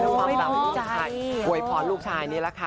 กลัวพรลูกชาย